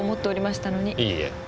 いいえ。